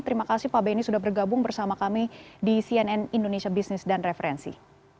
terima kasih pak benny sudah bergabung bersama kami di cnn indonesia business dan referensi